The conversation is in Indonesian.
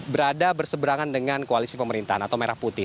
berada berseberangan dengan koalisi pemerintahan atau merah putih